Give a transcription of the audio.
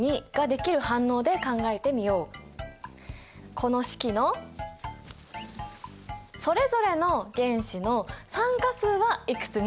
この式のそれぞれの原子の酸化数はいくつになるかな？